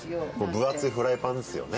分厚いフライパンですよね。